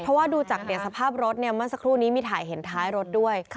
เพราะว่าดูจากสภาพรถเมื่อสักครู่นี้มีถ่ายเห็นท้ายรถด้วย